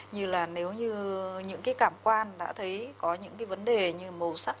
như là nếu như những cái cảm quan đã thấy có những cái vấn đề như màu sắc